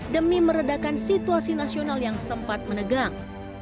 demi meredakan situasi nasional yang sempat menegang